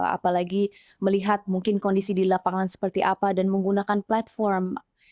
apalagi melihat mungkin kondisi di lapangan seperti apa dan menggunakan platform